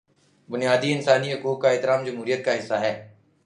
بنیادی انسانی حقوق کا احترام جمہوریت کا حصہ ہے۔